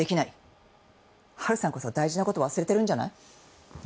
春さんこそ大事な事忘れてるんじゃない？